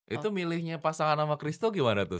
itu milihnya pasangan sama chris tuh gimana tuh